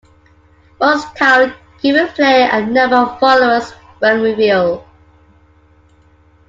Most tiles give the player a number of followers when revealed.